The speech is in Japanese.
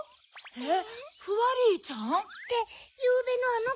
えっフワリーちゃん？ってゆうべのあのコ？